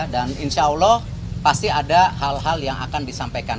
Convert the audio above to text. dan insya allah pasti ada hal hal yang akan disampaikan